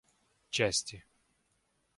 части